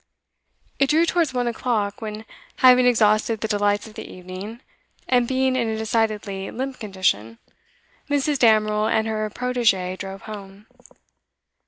It drew towards one o'clock when, having exhausted the delights of the evening, and being in a decidedly limp condition, Mrs. Damerel and her protegee drove home.